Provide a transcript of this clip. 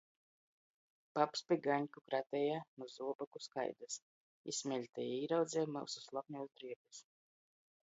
Paps pi gaņku krateja nu zuoboku skaidys i smeļti i īraudzeja myusu slapņuos drēbis.